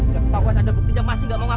bapak saya saja pinjam masih gak mau ngaku